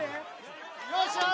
よっしゃー！